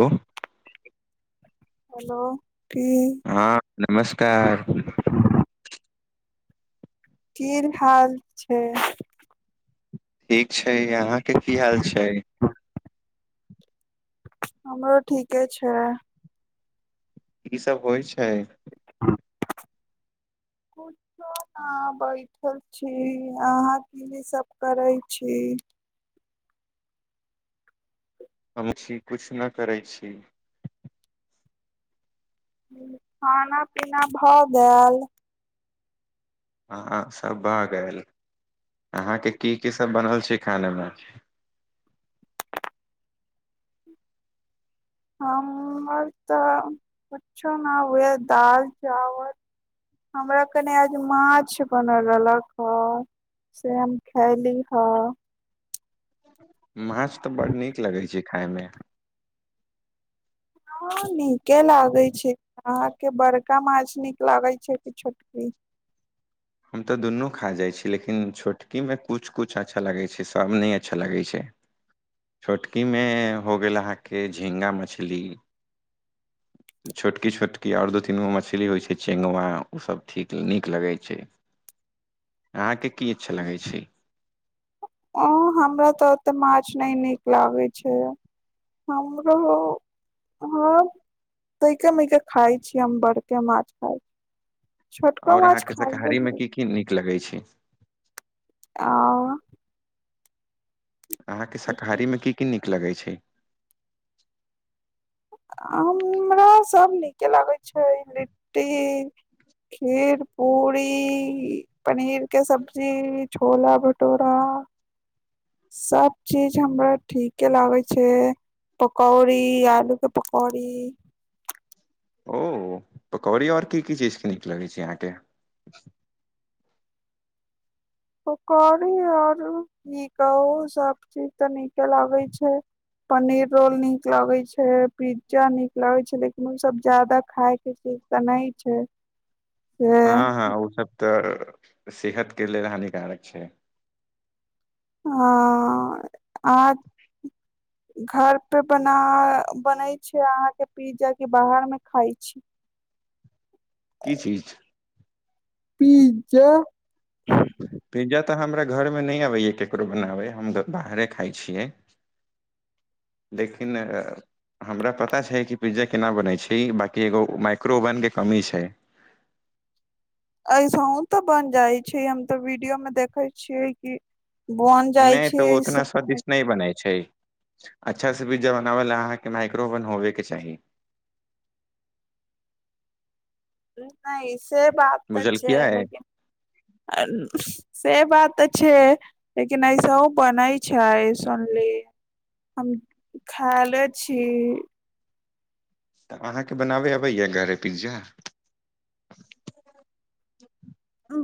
Hello hello की हँ नमस्कार की हाल छै ठीक छै अहाँ के की हाल छै हमरो ठीके छै कि सभ होइ छै कुछो नय बैठल छी अहाँ कि सभ करे छी। हम छी किछु नहि करे छी। खाना पीना भऽ गेल। ह सभ भऽ गेल अहाँकेँ कि सभ बनल छै खानेमे। हमर तऽ कछो नै हुए दाल चावल। हमरा कनी आज माछ बनल रहलक से हम खयली ह माछ तऽ बड़ नीक लगैत छै खायमे। ह नीके लागे छै अहाँकेँ बड़का माछ नीक लागे छै कि छोटकी। हम ते दुनू खा जाय छी लेकिन छोटकी मे कुछ कुछ अच्छा लगे छै सभ ने अच्छा लगे छै। छोटकि मे हो गेल अहाँकेँ झिगा मछली। [inaudible] छोटकी छोटकी आओर दू तीन गो मछली होइ छै चेगुआ ओसभ ठीक नीक लगै छै। अहाँकेँ कि अच्छा लगैत छै। ओ हमरा तऽ ओते माछ नहि नीक लागे छै। हमर ह तै के मे के खाय छिय हम बड़के माछ खाय छी छोटको माछ खाय। कि नीक लगै छै। आ अहाँकेँ शाकाहारीमे कि कि नीक लगैत छै। हमरा सभ नीक लागै छै लिट्टी खीर पूरी। पनीर के सब्जी छोला भटूरा। सभ चीज हमरा ठीके लागे छै पकौड़ी आलू के। पकरी ओ पकौड़ी और कि कि चीज के नीक लगै छै यहाँ के। पकौरी आऔर नीकाओ सभ चीज तनिक लागै छै। पनीर रोल नीक लगे छै पिज्जा नीक लगे छै लेकिन ओ सभ जादा खाय के च। तऽ नहि छै से ह ह ओ सभ तऽ सेहत के लि हानिकारक छै। ह [inaudible] घर पे बना बनै छै अहाँकेँ पिज्जा के बाहर मे खाय छी। कि चीज। पिज्जा। पिज्जा तऽ हमरा घरमे नहि अबैया केकरो बनाबै हम तऽ बाहरे खाइ छियै। लेकिन आ हमरा पता छै कि पिज्जा केना बनैत छै बाकि एगो माइक्रो ओवनके कमी छै। ऐसहु तऽ बन जाइ छै हम तो वीडियो मे देखे छियै कि। बन जाइ नै तऽ ऊ छै उतना स्वादिष्ट नै बनै छै। अच्छासँ पिज्जा बनाबै ल अहाँकेँ माइक्रोवन होबेके चाही। नहि से बात तऽ अच छै बुझलखियै लेकिन से बात तऽ छै लेकिन ऐस बनै छै सुनली हम खायले छी। तऽ अहाँकेँ बनाबे अबैया गरे पिज्जा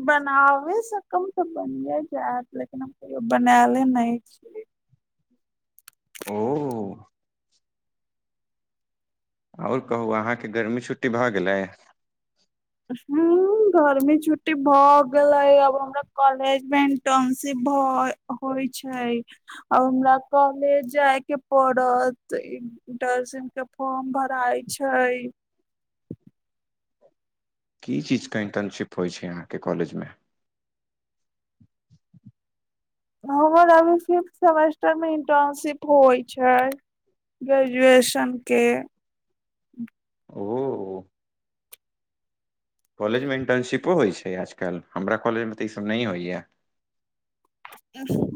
बनाबे सकल तऽ बने जायत लेकिन हम कहियो बनाले नै छीय ओ आओर कहू अहाँके गर्मी छुट्टी भऽ गेलैय हूँ गोर्मी छुट्टी भऽ गेले अब हमरा कॉलेज मे इंटर्नशिप भ होइ छै आब हमरा कॉलेज जाय के पड़त इर्टनसन के फॉर्म भराय छै की चीजके इन्टर्नशिप होय छै अहाँके कॉलेजमे हमर अभी फिफ्थ सेमेस्टर मे इंटर्नशिप होइ छै ग्रेजुएशन के ओ कॉलेजमे इन्टर्नशिपो होय छै आजकल हमरा कॉलेजमे तऽ ईसब नै होइया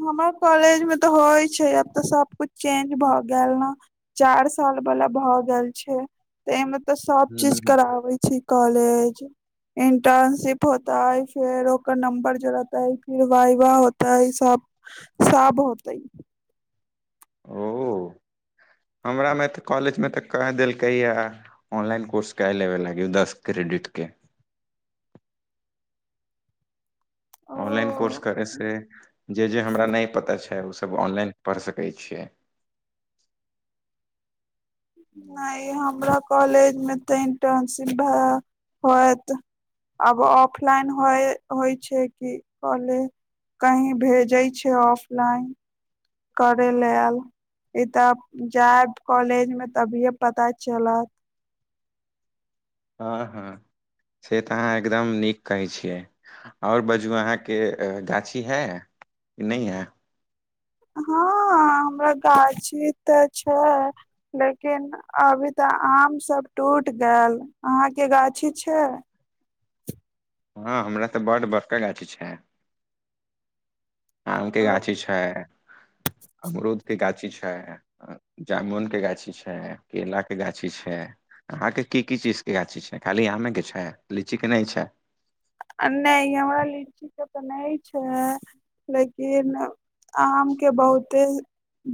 हमरा कॉलेज मे तऽ होइ छै आब तऽ सबकुछ चेंज भऽ गेएल न चार साल बाला भ गेएल छै तऽ एहिमे तऽ सब हूँ चीज हूँ कराबै छै कॉलेज इंटर्नशिप होताय फेर ओकर नंबर जोड़ताय फीर वइ वाह हो तऽ ईसब साब होतइ ओ हमरामे तऽ कॉलेजमे तऽ कह देलकैया ऑनलाइन कोर्स कए लेबे लागयै दस क्रेडिटके ओ ऑनलाइन कोर्स करयसे जे जे हमरा नै पता छै ओसब ऑनलाइन पढ़ि सकै छियै नै हमरा कॉलेज मे तऽ इंटर्नशिप भए होयत आब ऑफलाइन हो होइ छै कि कले कही भेजै छै ऑफलाइन करेलए आयल ई तऽ जायब कॉलेज मे तभिए पता चलत हँ हँ से तऽ अहाँ एकदम नीक कहै छियै आओर बाजू अहाँके गाछी है कि नै हए हँ हमरा गाछी तऽ छै लेकिन अभी तऽ आम सब टूट गेएल अहाँ के गाछी छै हँ हमरा तऽ बड्ड बड़का गाछी छै आम के गाछी छाय अमरूद के गाछी छाय जामुनके गाछी छाय केलाके गाछी छाय अहाँके की की चीजके गाछी छै खाली आमेके छाय लीचीे नै छै आ नै हमरा लीची के तऽ नै छै लेकिन आम के बहुते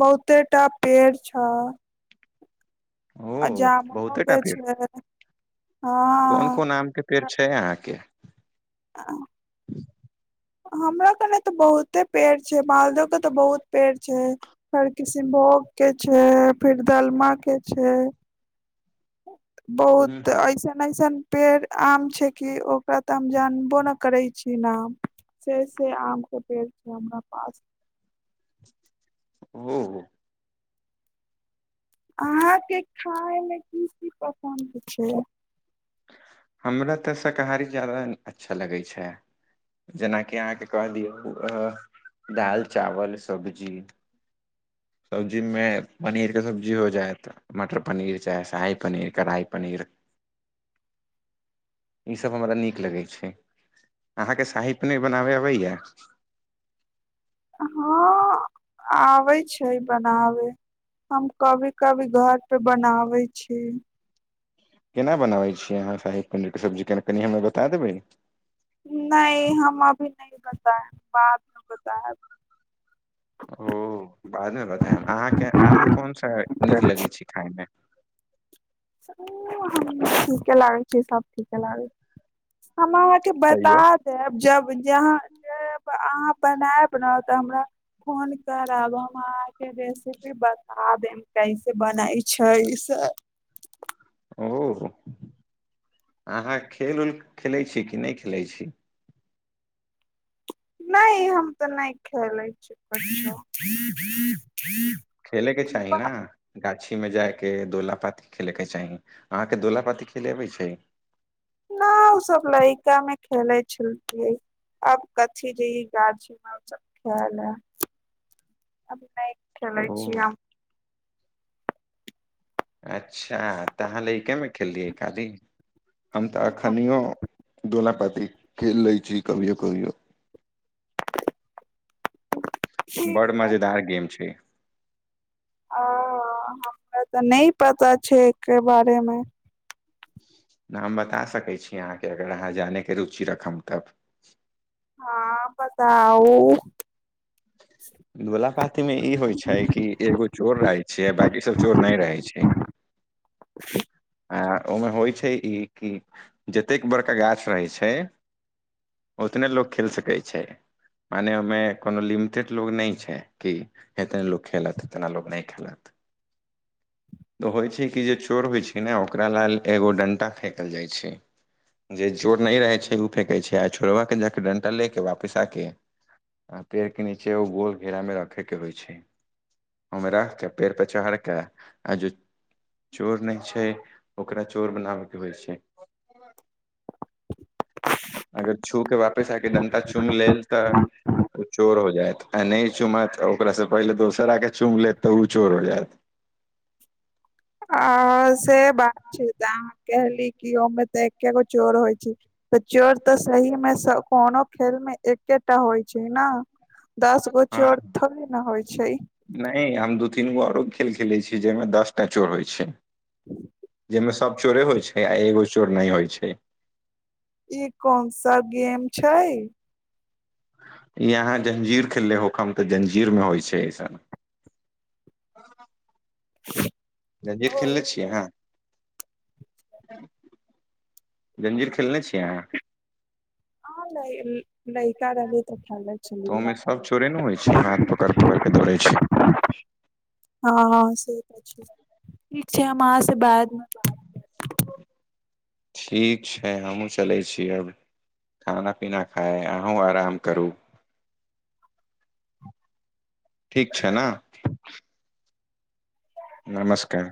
बहुतेटा पेड़ छ ओ आजामुनो के बहुतेटा पेड़ छै हँ फेर छै अहाँके ह [unintelligible] हमरा कने तऽ बहुते पेड़ छै मालद के तऽ बहुत पेड़ छै हर किसमभोग के छै फिर दलमा के छै हूँ बहुत हूँ अईस मऐसन पेड़ आम छै कि ओकरा तऽ हम जानबो नै करै छीयै नाम से से आम के पेड़ छै हमरा पास ओ हो अहाँके खाय मे की की पसन्द छै हमरा तऽ शाकाहारी जादा अच्छा लगै छै जेनाकि अहाँके कहलिय दालि चावल सब्जी सब्जी मे पनीर के सब्जी हो जाय तऽ मटर पनीर छै साह पनीर कऽ राय पनीर ई सभ हमरा नीक लगैत छै अहाँकेँ साहिप पनीर बनाबे अबैया ह आबै छै बनाबे हम कभी कभी घर पे बनावे छी। केना बनाबै छियै अहाँ शाही पण्रके सब्जी कना कनि हमरा बता देबै। नहि हम अभी नहि बतायब बादमे बतायब। ओ बादमे बतायब अहाँकेँ आम कोन सा नीक लगै छै खायमे ओ हम ठीके लागै छी सभ ठीके लागै छै हम अहाँकेँ बता तैयो देब जब जहाँ अहाँ बनाबय ना तऽ हमरा फोन करब हम अहाँकेँ जे छै कि बता देब कैसे बना छै ई सभ अहाँ खेल उल खेलैत छी कि नहि खेलैत छी नहि हम तऽ नहि खेलै छी। खेलके चाही न गाछी मे जायके दोलापाती खेलयके चाही अहाँकेँ दोलापाती खेले अबै छै ओ सभ लड़िका मे खेले छलियै आब कथी जइय गाम अब नहि ओ खेलै छिय हम अच्छा तऽ हा लकेमे खेललियै काली हम तऽ अखनो दोला पात खेल लै छी कभियो कभियो बड़ ठीके मजेदार गेम छै। आ हमरा तऽ नहि पता छै एक बारेमे नाम बता सकै छी अहाँकेँ अगर अहाँ जानैके रुचि रखब तब ह बताउ [unintelligible] लोला पाती मे ई होई छै कि एगो चोर रहै छै बाकी सभ चोर नहि रहै छै [inaudible] [inaudible] आ ओहिमे होई छै ई कि जतेक बड़का गाछ रहै छै उतने लोग खेल सकै छै मने ओमे कोनो लि म कते लोग नहि छै की एतने लो खेलत एतना लो नहि खेलत तऽ होइत छै कि जे चोर होइत छै ने ओकरा लेलाल एगो डणटा फेकल जाइत छै जे जोर नहि रहैत छै ओ फेकैत छै आ छोड़बा जाकऽ डेटल ले के वापस आके। आ पेड़ के नीचे ओ गोल घेरा मे रखे के होई छै ओमे राखके पेड़ परे चढ़के आ चोर नहि छै ओकरा चोर बनाबै के होई छै अगर छू के वापिस आके डन्टा चुम लेलऽ तऽ ओ चोर हो जायत आ नहि चुमत ओकरास से पहिले दोसर आ के चुम लेतऽ ओ चोर हो जायत आ से बात छै तऽ अहाँ कहली कि ओमे तऽ एकेगो चोर होई छै तऽ चोर तऽ सही मे कोनो खेल मे एकेटा होई छै ने दश गोछी हँ ओर थोड़े ने होई छै नहि हम दू तीन गो आरो खेल खेलैत छी जाहि मे दस टा चोर होई छै जाहिमे सभ चोरे होइ छै आ एगो चोर नहि होइ छै ई कोन सा गेम छै। यहाँ जञ्जीर खेलले होक हम तऽ जञ्जीरमे होइ छै अइसन। ह। जांजिर खेलले छियै अहाँ जंजिर खेलने छियै अहाँ। ह ल लैक रहलल तऽ खल तऽ ओहिमे सभ चोरे ने होई छै हाथ पकड़ पकड़ के दौड़े छै। ह से त ठीक छै हम अहाँ से बाद मे ठीक छै हमहूँ चलै छी अब खाना पीना खाइ अहूँ आराम करू। ठीक छै ने। नमस्कार